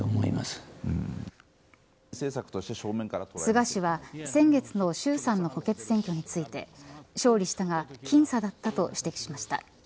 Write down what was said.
菅氏は先月の衆参の補欠選挙について勝利したが僅差だったと指摘しました。